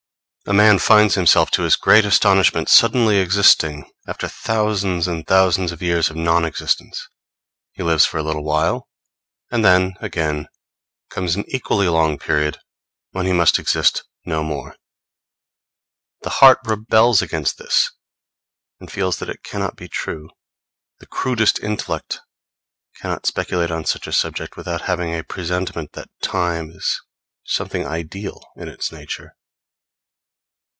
A man finds himself, to his great astonishment, suddenly existing, after thousands and thousands of years of non existence: he lives for a little while; and then, again, comes an equally long period when he must exist no more. The heart rebels against this, and feels that it cannot be true. The crudest intellect cannot speculate on such a subject without having a presentiment that Time is something ideal in its nature.